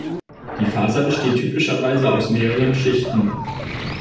Die Faser besteht typischerweise aus mehreren Schichten.